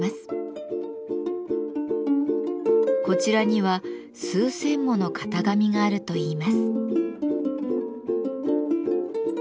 こちらには数千もの型紙があるといいます。